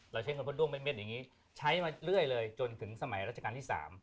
ใช้คำว่าด้วงเม็ดอย่างนี้ใช้มาเรื่อยเลยจนถึงสมัยราชการที่๓